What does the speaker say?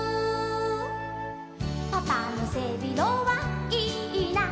「パパのせびろはいいな」